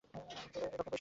ধোকায় পড়িস না, কিছা।